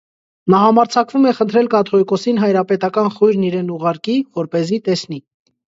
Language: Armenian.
Նա համարձակվում է խնդրել կաթողիկոսին հայրապետական խույրն իրեն ուղղարկի, որպեսզի տեսնի։